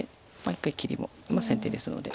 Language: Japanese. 一回切りも先手ですので。